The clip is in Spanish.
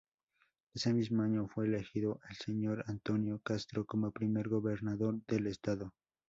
Ese mismo año fue elegido el señor Antonio Castro como primer gobernador del estado.